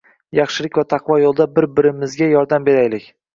Yaxshilik va taqvo yoʻlida bir birimizga yordam beraylik...